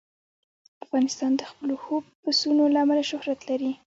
افغانستان د خپلو ښو پسونو له امله شهرت لري.